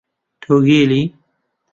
تۆ گێلی!